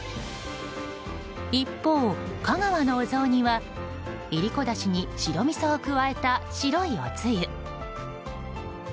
一方、香川のお雑煮はいりこだしに白みそを加えた白いおつゆ。